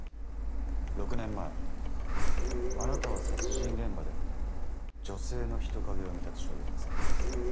６年前あなたは殺人現場で女性の人影を見たと証言なさっています。